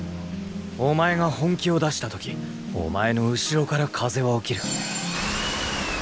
お前が本気を出した時お前の後ろから風は起きる。